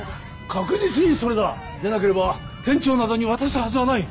確実にそれだ！でなければ店長などに渡すはずはない。